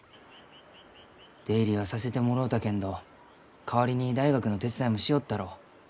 出入りはさせてもろうたけんど代わりに大学の手伝いもしよったろう。